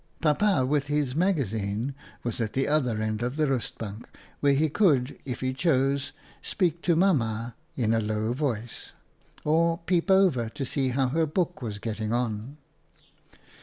Pappa, with his magazine, was at the other end of the rustbank where he could, if he chose, speak to Mamma in a low tone, or peep over to see how her book was getting on.